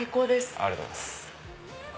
ありがとうございます。